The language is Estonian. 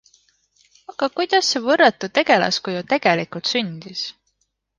Aga kuidas see võrratu tegelaskuju tegelikult sündis?